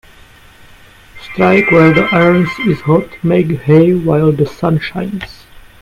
Strike while the iron is hot Make hay while the sun shines.